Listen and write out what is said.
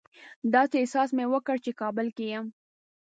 داسې احساس مې وکړ چې کابل کې یم.